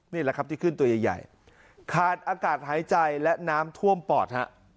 นี่แหละครับที่ขึ้นตัวใหญ่ขาดอากาศหายใจและน้ำท่วมปอดฮะ